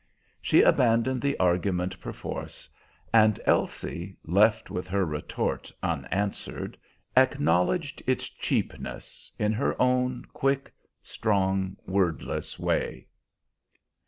She abandoned the argument perforce, and Elsie, left with her retort unanswered, acknowledged its cheapness in her own quick, strong, wordless way.